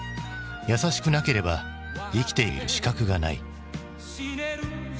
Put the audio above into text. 「やさしくなければ生きている資格がない」。